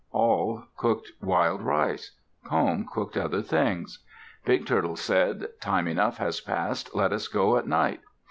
Awl cooked wild rice. Comb cooked other things. Big Turtle said, "Time enough has passed. Let us go at night."